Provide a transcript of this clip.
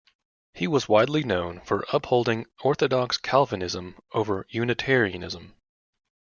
He was widely known for upholding orthodox Calvinism over Unitarianism.